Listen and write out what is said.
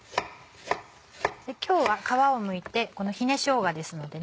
今日は皮をむいてひねしょうがですのでね